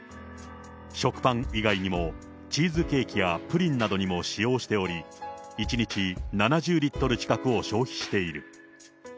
食パン以外にもチーズケーキやプリンなどにも使用しており、１日７０リットル近くを消費している。